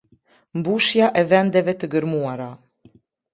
Mbushja e vendeve të gërmuara.